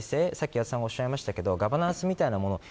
岩田さんもおっしゃいましたがガバナンスみたいなもの。